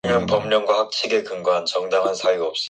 부엌에서 옥점 어머니가 들어오며 이렇게 말한다.